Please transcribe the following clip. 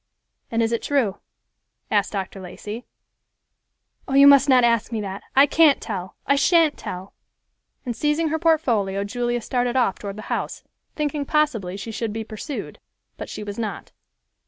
"And is it true?" asked Dr. Lacey. "Oh, you must not ask me that—I can't tell—I shan't tell—" and seizing her portfolio Julia started off toward the house, thinking possibly she should be pursued. But she was not.